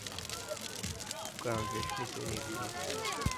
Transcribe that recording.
Ukážeš mi to někdy?